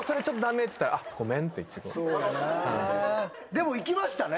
でもいきましたね。